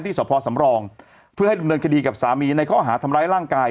สพสำรองเพื่อให้ดำเนินคดีกับสามีในข้อหาทำร้ายร่างกาย